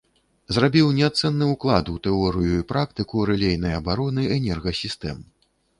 Зрабіў неацэнны ўклад у тэорыю і практыку рэлейнай абароны энергасістэм.